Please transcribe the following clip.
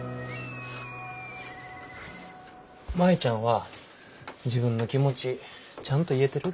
舞ちゃんは自分の気持ちちゃんと言えてる？